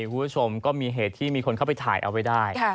คุณผู้ชมก็มีเหตุที่มีคนเข้าไปถ่ายเอาไว้ได้